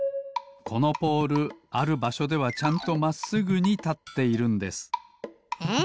このポールあるばしょではちゃんとまっすぐにたっているんです。え？